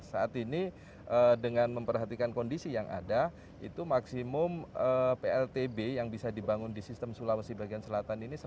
saat ini dengan memperhatikan kondisi yang ada itu maksimum pltb yang bisa dibangun di sistem sulawesi bagian selatan ini satu ratus tiga puluh mw